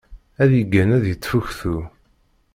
Ad yeggan ad yettfuktu.